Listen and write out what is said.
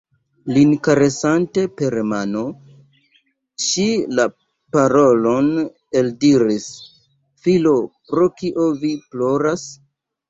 Lin karesante per mano, ŝi la parolon eldiris: « Filo, pro kio vi ploras?"